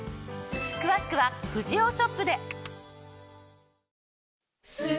詳しくはフジオーショップで！